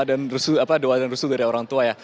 doa dan resuh dari orang tua ya